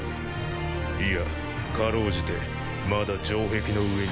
いやかろうじてまだ城壁の上に秦兵はいる。